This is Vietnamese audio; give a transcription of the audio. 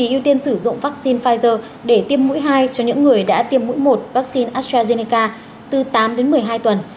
ưu tiên sử dụng vaccine pfizer để tiêm mũi hai cho những người đã tiêm mũi một vaccine astrazeneca từ tám đến một mươi hai tuần